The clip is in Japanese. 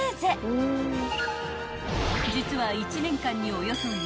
［実は］